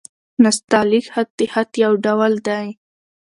نستعلیق خط؛ د خط يو ډول دﺉ.